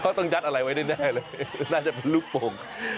เขาต้องยัดอะไรไว้แน่เลยน่าจะเป็นลูกโป่ง